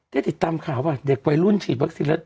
ได้ติดตามข่าวป่ะเด็กวัยรุ่นฉีดวัคซีนแล้ว